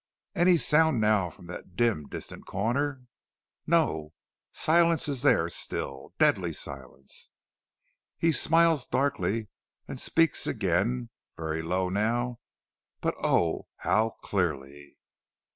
Any sound now from that dim, distant corner? No, silence is there still; deadly silence. He smiles darkly, and speaks again; very low now, but oh, how clearly!